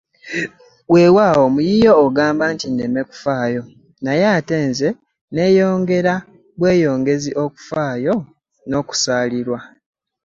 Weewaawo mu yiyo ogamba nti nneme kufaayo, naye ate nze nneeyongera bweyongezi okufaayo n'okusaalirwa.